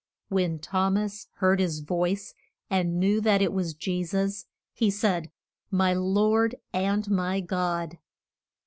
When Thom as heard his voice and knew that it was Je sus, he said, My Lord and my God.